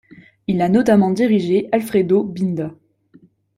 Il a notamment dirigé Alfredo Binda.